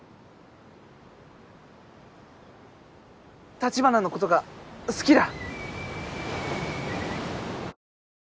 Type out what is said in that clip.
橘のことが好きだ！